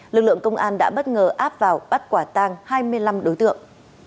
lực lượng công an đã bất ngờ áp vào bắt quả tang hai mươi năm đối tượng